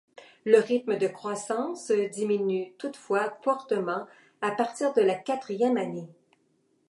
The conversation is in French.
Le rythme de croissance diminue toutefois fortement à partir de la quatrième année.